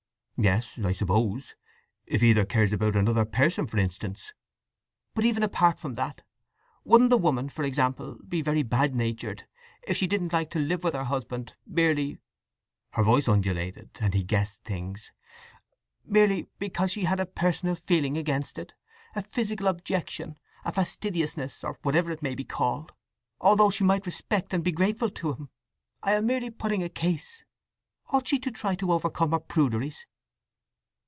"Yes, I suppose. If either cares for another person, for instance." "But even apart from that? Wouldn't the woman, for example, be very bad natured if she didn't like to live with her husband; merely"—her voice undulated, and he guessed things—"merely because she had a personal feeling against it—a physical objection—a fastidiousness, or whatever it may be called—although she might respect and be grateful to him? I am merely putting a case. Ought she to try to overcome her pruderies?"